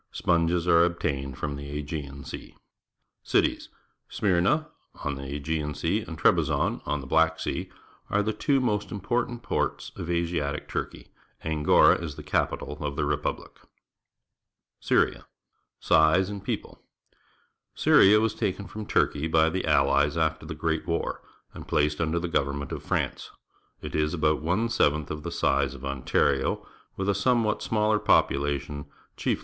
Sponges are obtained from the Aegean Sea. Cities. — Smyrna, on the Aegean Sea, and Trebizond, on the Black Sea, are the two most important ports of .\siatic Turkey. Angora is the capital of the repubUc. SYRIA (rK>^>^ Size and People. — Syria w^as takeiV from Turkey by the .\lUes after the Great War and placed under the government of France. It is about one seventh of the size of Ontario, with a somewhat smaller population, chief!